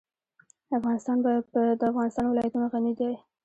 افغانستان په د افغانستان ولايتونه غني دی.